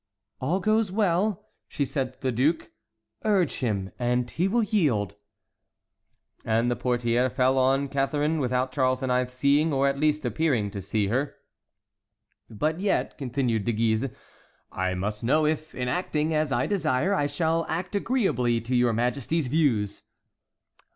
"All goes well," she said to the duke; "urge him, and he will yield." And the portière fell on Catharine, without Charles IX. seeing, or at least appearing to see her. "But yet," continued De Guise, "I must know if, in acting as I desire, I shall act agreeably to your Majesty's views."